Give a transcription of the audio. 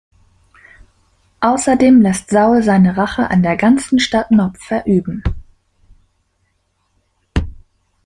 Außerdem lässt Saul seine Rache an der ganzen Stadt Nob verüben.